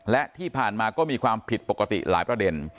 และที่ผ่านมาก็มีความผิดปกติหลายประเด็น